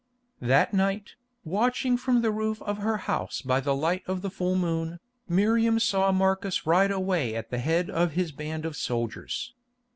That night, watching from the roof of her house by the light of the full moon, Miriam saw Marcus ride away at the head of his band of soldiers.